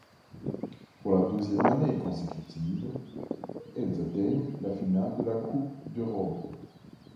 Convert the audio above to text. Pour la deuxième année consécutive, elles atteignent la finale de Coupe d'Europe.